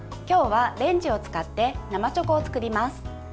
今日はレンジを使って生チョコを作ります。